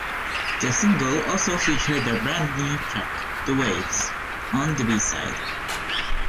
The single also featured a brand new track, "The Waves" on the b-side.